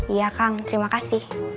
iya kang terima kasih